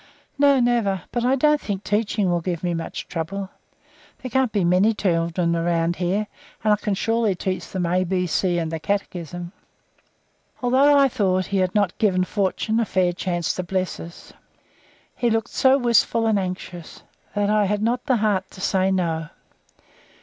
"No, never. But I don't think the teaching will give me much trouble. There can't be many children around here, and I can surely teach them A B C and the Catechism." Although I thought he had not given fortune a fair chance to bless us, he looked so wistful and anxious that I had not the heart to say no.